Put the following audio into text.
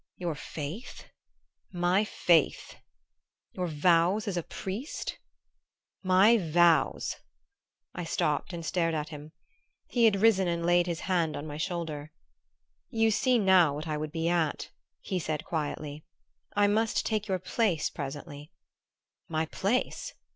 "Your faith?" "My faith!" "Your vows as a priest?" "My vows " I stopped and stared at him. He had risen and laid his hand on my shoulder. "You see now what I would be at," he said quietly. "I must take your place presently " "My place